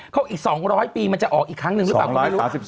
เขาออกอีก๒๐๐ปีมันจะออกอีกครั้งนึงหรือเปล่า